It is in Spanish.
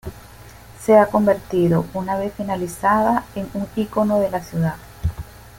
Se ha convertido, una vez finalizada, en un icono de la ciudad.